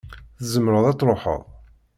Tzemreḍ ad truḥeḍ.